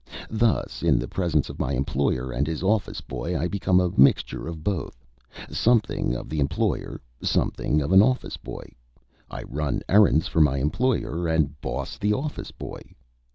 Thus in the presence of my employer and his office boy I become a mixture of both something of the employer, something of an office boy. I run errands for my employer, and boss the office boy.